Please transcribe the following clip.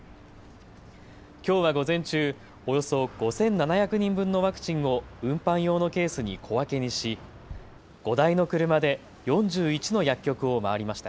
きょうは午前中、およそ５７００人分のワクチンを運搬用のケースに小分けにし５台の車で４１の薬局を回りました。